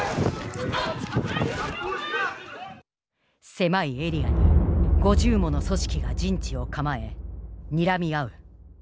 狭いエリアに５０もの組織が陣地を構えにらみ合う。